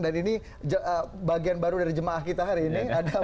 dan ini bagian baru dari jemaah kita hari ini